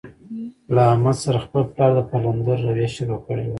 له احمد سره یې خپل پلار د پلندر رویه شروع کړې ده.